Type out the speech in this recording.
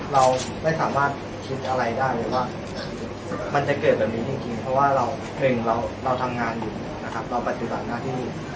เราไม่สามารถคิดอะไรได้เลยว่ามันจะเกิดแบบนี้จริงเพราะว่าเราเพลงของเราทำงานอยู่นะครับเราปฏิบัติหน้าที่